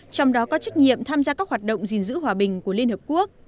trong đó có trách nhiệm tham gia các hoạt động gìn giữ hòa bình của liên hợp quốc